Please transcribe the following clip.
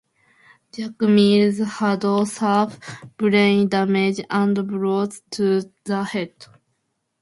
Jack Mills had severe brain damage and blows to the head.